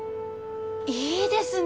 いいですね！